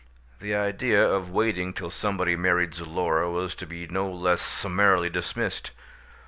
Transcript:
The idea of waiting till somebody married Zulora was to be no less summarily dismissed.